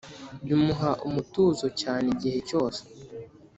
bimuha umutuzo cyane igihe cyose.